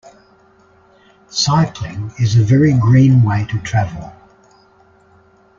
Cycling is a very green way to travel